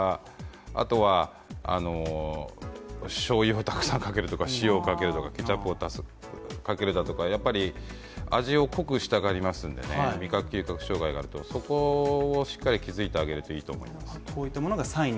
あとはしょうゆをたくさんかける、塩をたくさんかける、ケチャップをかけるだとか、味を濃くしたがりますから味覚障害があるとそこをしっかり気づいてあげるといいと思います。